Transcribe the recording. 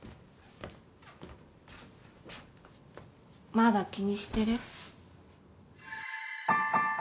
まだ気にしてる？